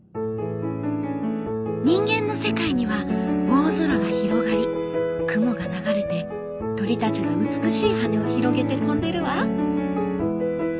「人間の世界には大空が広がり雲が流れて鳥たちが美しい羽を広げて飛んでいるわ」。